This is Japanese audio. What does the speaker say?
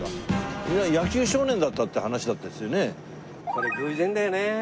これ偶然だよね。